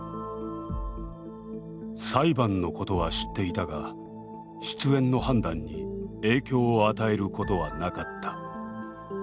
「裁判のことは知っていたが出演の判断に影響を与えることはなかった」